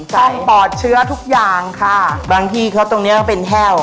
ปอดเชื้อทุกอย่างค่ะบางที่เขาตรงเนี้ยก็เป็นแห้ว